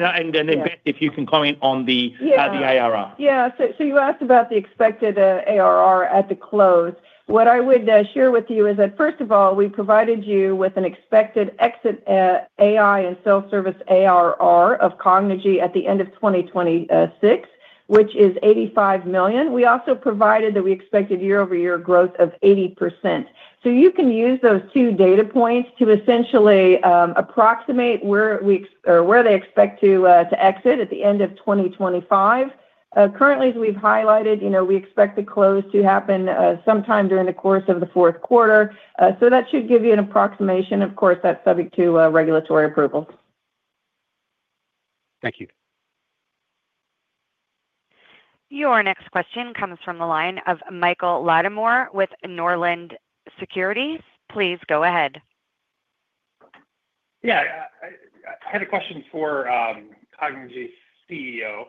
if you can comment on the ARR. Yeah, you asked about the expected ARR at the close. What I would share with you is that first of all, we provided you with an expected exit AI and self-service ARR of Cognigy at the end of 2026, which is $85 million. We also provided that we expected year-over-year growth of 80%. You can use those two data points to essentially approximate where they expect to exit at the end of 2025. Currently, as we've highlighted, we expect the close to happen sometime during the course of the fourth quarter. That should give you an approximation. Of course, that's subject to regulatory approval. Thank you. Your next question comes from the line of Michael Latimore with Northland Security. Please go ahead. Yeah, I had a question for Cognigy CEO.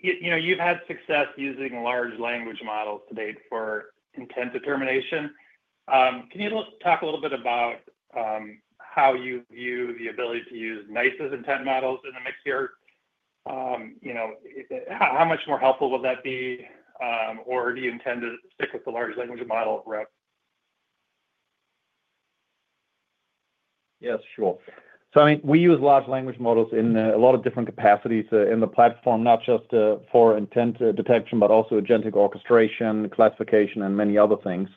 You know you've had success using large language models to date for intent determination. Can you talk a little bit about how you view the ability to use NICE as intent models in the mix here? You know, how much more helpful will that be or do you intend to stick with the large language model rep. Yes, sure. I mean we use large language models in a lot of different capacities in the platform, not just for intent detection, but also agentic orchestration, classification, and many other things.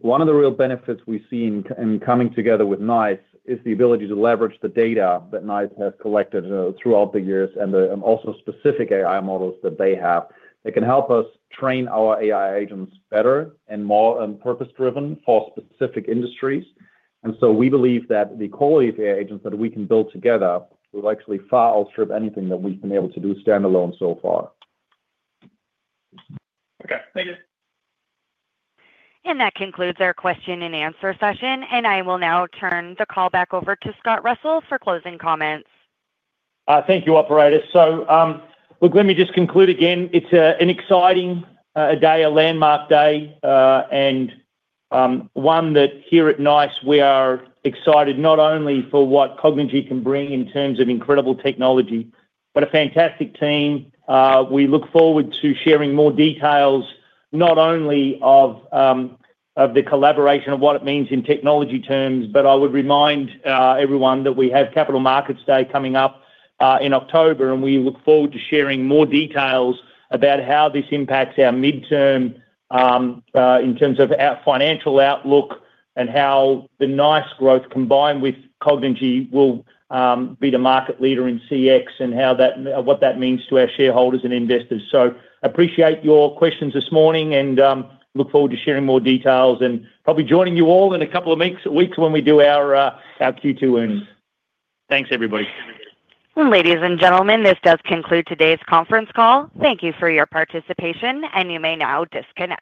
One of the real benefits we see in coming together with NICE is the ability to leverage the data that NICE has collected throughout the years and also specific AI models that they have that can help us train our AI agents better and more purpose driven for specific industries. We believe that the quality of AI agents that we can build together will actually far outstrip anything that we've been able to do standalone so far. Okay, thank you. That concludes our question-and-answer session. I will now turn the call back over to Scott Russell for closing comments. Thank you, operator. Let me just conclude again, it's an exciting day, a landmark day, and one that here at NICE, we are excited not only for what Cognigy can bring in terms of incredible technology, but a fantastic team. We look forward to sharing more details, not only of the collaboration, of what it means in technology terms. I would remind everyone that we have Capital Markets Day coming up in October and we look forward to sharing more details about how this impacts our midterm in terms of our financial outlook and how the NICE growth combined with Cognigy will be the market leader in CX and what that means to our shareholders and investors. Appreciate your questions this morning and look forward to sharing more details and probably joining you all in a couple of weeks when we do our Q2 earnings. Thanks everybody. Ladies and gentlemen, this does conclude today's conference call. Thank you for your participation and you may now disconnect.